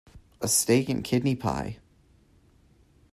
A steak-and-kidney pie.